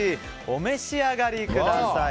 お召し上がりください！